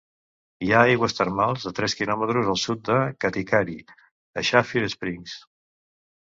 Hi ha aigües termals a tres quilòmetres al sud de Katikati, a Sapphire Springs.